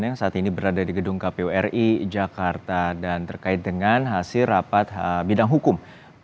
yang saat ini berada di gedung kpu ri jakarta dan terkait dengan hasil rapat bidang hukum